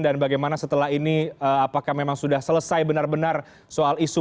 dan bagaimana setelah ini apakah memang sudah selesai benar benar soal isu